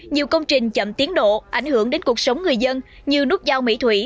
nhiều công trình chậm tiến độ ảnh hưởng đến cuộc sống người dân như nút giao mỹ thủy